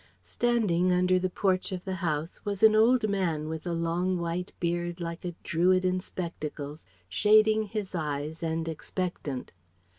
Standing under the porch of the house was an old man with a long white beard like a Druid in spectacles shading his eyes and expectant...